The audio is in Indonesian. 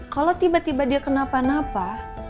kalau tiba tiba dia kenapa napa